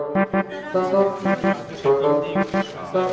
สวัสดีครับ